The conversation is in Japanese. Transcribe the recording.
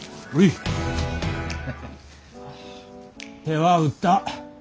手は打った。